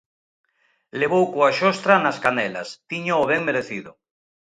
Levou coa xostra nas canelas, tíñao ben merecido